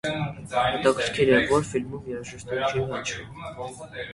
Հետաքրքիր է, որ ֆիլմում երաժշտություն չի հնչում։